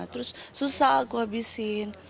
terus susah aku habisin